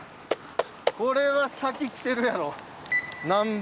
これは先来てるやろなんぼ